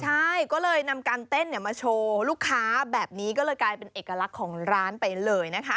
ใช่ก็เลยนำการเต้นมาโชว์ลูกค้าแบบนี้ก็เลยกลายเป็นเอกลักษณ์ของร้านไปเลยนะคะ